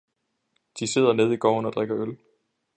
De sidder nede i gården og drikker øl